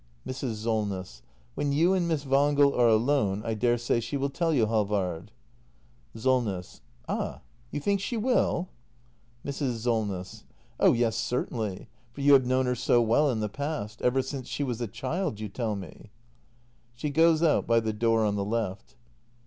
Mrs. Solness. When you and Miss Wangel are alone, I daresay she will tell you, Halvard. Solness. Ah — you think she will ? Mrs. Solness. Oh yes, certainly. For you have known her so well in the past. Ever since she was a child — you tell me. [She goes out by the door on the left.